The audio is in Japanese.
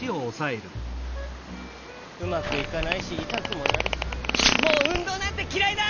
うまくいかないしいたくもなるしもううんどうなんてきらいだ！